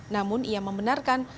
namun ia membenarkan